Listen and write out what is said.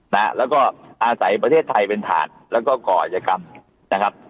นะฮะแล้วก็อาศัยประเทศไทยเป็นถาดแล้วก็ก่ออาจกรรมนะครับ